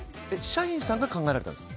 社員さんが考えられたんですか？